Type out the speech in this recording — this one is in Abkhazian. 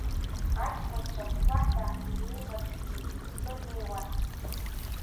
Аҷкәынцәа, аффаҳәа иеиваршәны, иӡсо инеиуан.